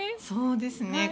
そうですね。